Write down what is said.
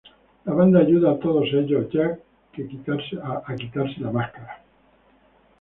La banda ayuda a todos ellos, ya que quitarse la máscara.